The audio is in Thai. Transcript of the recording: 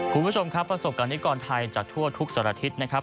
คุณผู้ชมครับประสบการณิกรไทยจากทั่วทุกสารทิศนะครับ